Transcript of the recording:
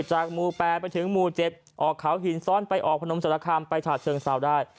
ต้องจากหมู่๘ไปถึงหมู่๗ออกเขาหินซ้อนไปอองพนมสรครามไปถาดเชิงซ้าวดาต